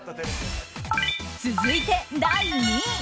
続いて、第２位。